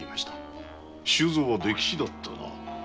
周蔵は溺死だったな？